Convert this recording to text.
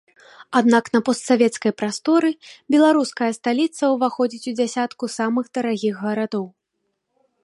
Аднак на постсавецкай прасторы беларуская сталіца ўваходзіць у дзясятку самых дарагіх гарадоў.